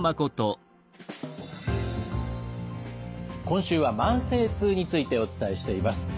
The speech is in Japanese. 今週は慢性痛についてお伝えしています。